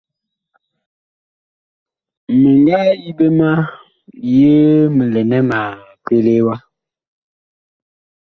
Mi nga yi ɓe ma yee mi lɛ nɛ ma pelee wa.